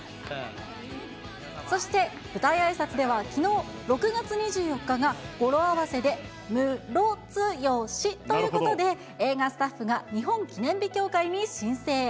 そして舞台あいさつでは、きのう６月２４日が語呂合わせでムロツヨシということで、映画スタッフが日本記念日協会に申請。